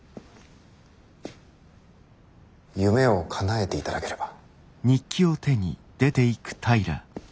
夢をかなえていただければ。